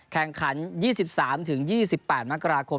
แข่งขัน๒๓๒๘มกราคม